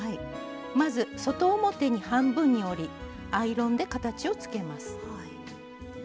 まず外表に半分に折りアイロンで形をつけます。